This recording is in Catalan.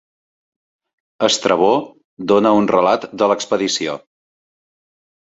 Estrabó dóna un relat de l'expedició.